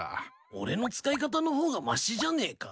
俺の使い方の方がましじゃねえか？